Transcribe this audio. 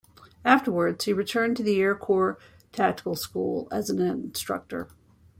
Afterwards, he returned to the Air Corps Tactical School as an instructor.